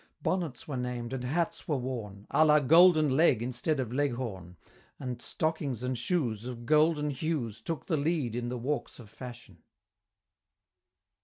Bonnets were named, and hats were worn, A la Golden Leg instead of Leghorn, And stockings and shoes, Of golden hues, Took the lead in the walks of fashion!